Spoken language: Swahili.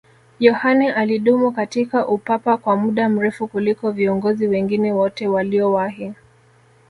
yohane alidumu katika upapa kwa muda mrefu kuliko viongozi wengine wote waliowahi